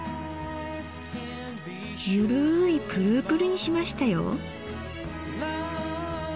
ゆるいプルプルにしましたよ。